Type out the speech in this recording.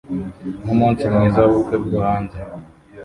Numunsi mwiza wubukwe bwo hanze